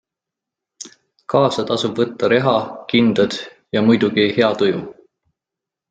Kaasa tasub võtta reha, kindad ja muidugi hea tuju.